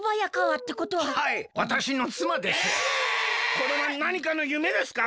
これはなにかのゆめですか？